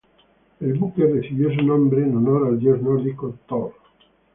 El buque recibió su nombre en honor al dios nórdico Thor.